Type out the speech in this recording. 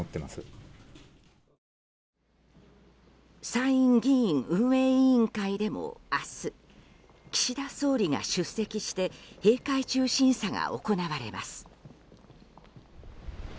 参院議院運営委員会でも明日、岸田総理が出席して閉会中審査が行われます。